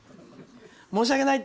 申し訳ない！